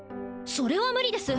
それは無理です